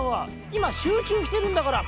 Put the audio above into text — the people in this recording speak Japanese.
いましゅうちゅうしてるんだから！